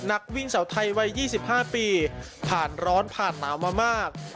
นักวิ่งแสวไทยไว้ยี่สิบห้าปีผ่านร้อนผ่านหนาวมามาก